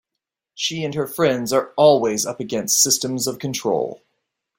She and her friends are always up against systems of control.